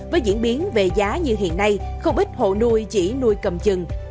với diễn biến về giá như hiện nay không ít hộ nuôi chỉ nuôi cầm chừng